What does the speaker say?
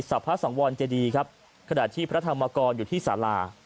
ศพพศสวเจดีขณะที่พระธรรมกรอยู่ที่สารา